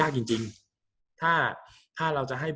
กับการสตรีมเมอร์หรือการทำอะไรอย่างเงี้ย